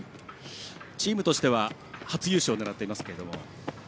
チームとしては初優勝を狙っていますけども。